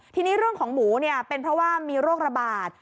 ทีนี้เรื่องของหมูเนี่ยเป็นเพราะว่ามีโรคระบาด